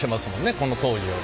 この当時より。